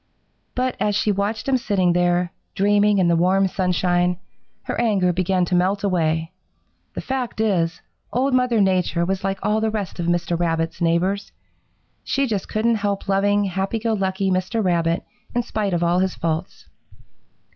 But as she watched him sitting there, dreaming in the warm sunshine, her anger began to melt away. The fact is, Old Mother Nature was like all the rest of Mr. Rabbit's neighbors she just couldn't help loving happy go lucky Mr. Rabbit in spite of all his faults.